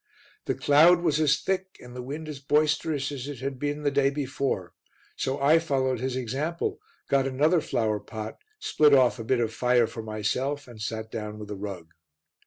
The cloud was as thick and the wind as boisterous as it had been the day before, so I followed his example, got another flowerpot, split off a bit of fire for myself and sat down with a rug.